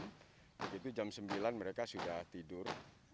begitu jam sembilan mereka sudah tidur